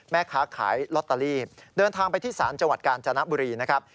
แม่ค้าขายลอตเตอรี่เดินทางไปที่ศาลจังหวัดกาญจนบุรีนะครับ